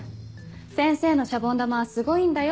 「先生のシャボン玉はすごいんだよ」